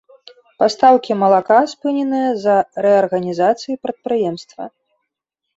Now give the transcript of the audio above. Пастаўкі малака спыненыя з-за рэарганізацыі прадпрыемства.